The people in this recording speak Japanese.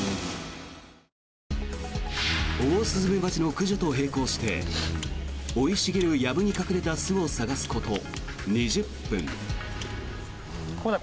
オオスズメバチの駆除と並行して生い茂るやぶに隠れた巣を探すこと２０分。